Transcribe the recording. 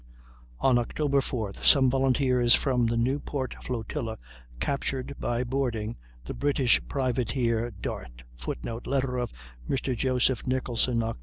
On October 4th some volunteers from the Newport flotilla captured, by boarding, the British privateer Dart, [Footnote: Letter of Mr. Joseph Nicholson, Oct.